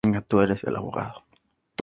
El plato se presenta con una "sour cream".